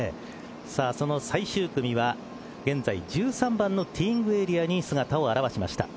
最終組は現在１３番のティーイングエリアに姿を現しました。